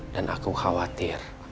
dan aku khawatir